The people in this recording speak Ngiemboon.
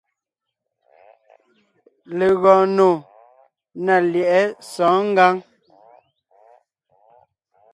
Legɔɔn nò ná lyɛ̌ʼɛ sɔ̌ɔn ngǎŋ.